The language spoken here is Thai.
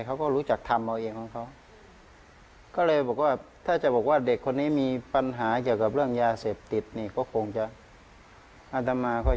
เขาก็รู้จักธรรมเราเองแล้วก็เลยถ้าจะบอกว่าเด็กคนนี้มีปัญหาเกี่ยวกับเรื่องยาเสพติดก็คงจะอัธมาก็ยังไม่เชื่อ